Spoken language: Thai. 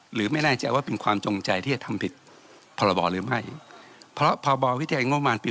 หรือไม่แน่ใจว่าเป็นความจงใจที่จะทำผิดพรบวิธีการงบมารปี